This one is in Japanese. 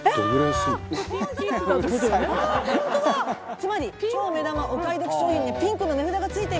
つまり超目玉お買い得商品にピンクの値札が付いています。